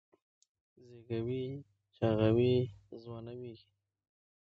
زېږوي یې چاغوي یې ځوانوي یې